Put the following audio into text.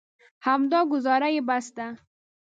همدا ګوزاره یې بس ده.